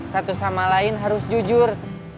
satu sama lain harus jujur